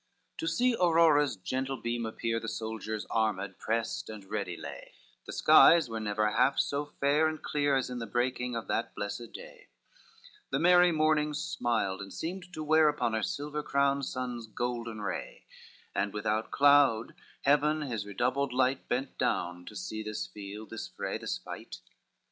V To see Aurora's gentle beam appear, The soldiers armed, prest and ready lay, The skies were never half so fair and clear As in the breaking of that blessed day, The merry morning smiled, and seemed to wear Upon her silver crown sun's golden ray, And without cloud heaven his redoubled light Bent down to see this field, this fray, this fight.